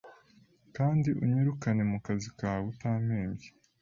Kandi unyirukane mukazi kawe utampembye